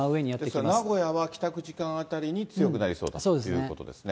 ですから、名古屋は帰宅時間あたりに強くなりそうということですね。